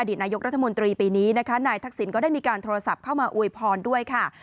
นายกรัฐมนตรีปีนี้นะคะนายทักษิณก็ได้มีการโทรศัพท์เข้ามาอวยพรด้วยค่ะ